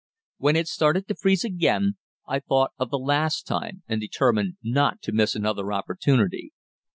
When it started to freeze again, I thought of the last time and determined not to miss another opportunity.